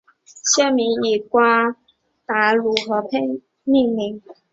县名以瓜达卢佩河命名。